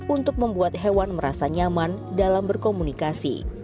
untuk membuat hewan merasa nyaman dalam berkomunikasi